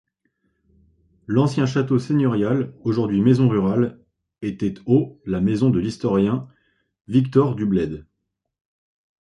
L'ancien château seigneurial, aujourd'hui maison rurale, était au la maison de l'historien Victor Dubled.